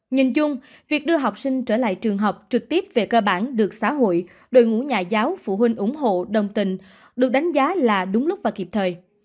nhìn chung việc đưa học sinh trở lại trường học trực tiếp về cơ bản được xã hội đội ngũ nhà giáo phụ huynh ủng hộ đồng tình được đánh giá là đúng lúc và kịp thời